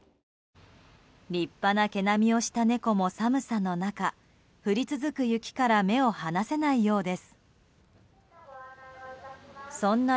立派な毛並みをした猫も寒さの中降り続く雪から目を離せないようです。